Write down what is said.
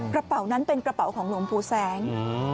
กระเป๋านั้นเป็นกระเป๋าของหลวงปู่แสง